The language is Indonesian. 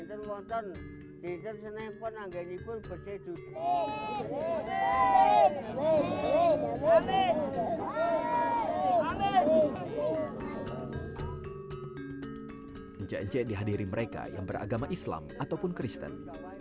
ence ence dihadiri mereka yang beragama islam ataupun kristen